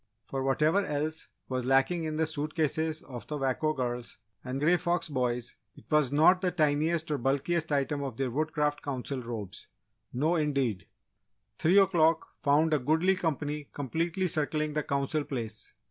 For, whatever else was lacking in the suitcases of the Wako Girls and Grey Fox Boys, it was not the tiniest or bulkiest item of their Woodcraft Council Robes! No indeed! Three o'clock found a goodly company completely circling the Council Place.